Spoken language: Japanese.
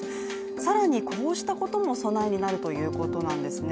更に、こうしたことも備えになるということなんですね。